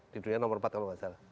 di dunia nomor empat kalau nggak salah